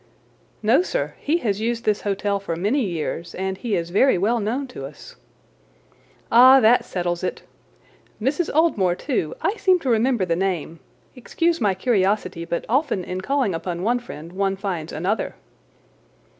"No, sir! he has used this hotel for many years, and he is very well known to us." "Ah, that settles it. Mrs. Oldmore, too; I seem to remember the name. Excuse my curiosity, but often in calling upon one friend one finds another."